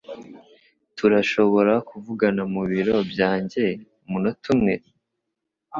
Turashobora kuvugana mu biro byanjye umunota umwe?